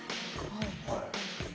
はい。